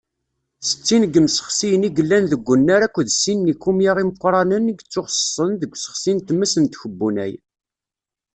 Settin n yimsexsiyen i yellan deg unnar akked sin n yikumya imeqqranen i yettuxeṣṣen deg usexsi n tmes n tkebbunay.